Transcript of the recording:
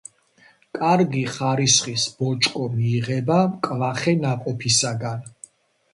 კარგი ხარისხის ბოჭკო მიიღება მკვახე ნაყოფისაგან.